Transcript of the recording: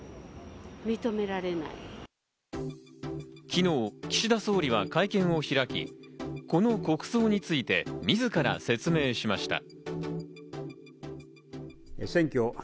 昨日、岸田総理は会見を開き、この国葬について自ら説明しました。